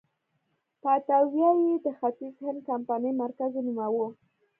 باتاویا یې د ختیځ هند کمپنۍ مرکز ونوماوه.